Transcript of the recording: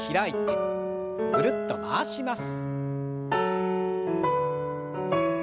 ぐるっと回します。